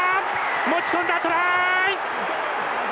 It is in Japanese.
持ち込んだ、トライ！